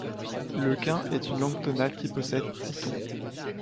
Le cun est une langue tonale qui possède dix tons.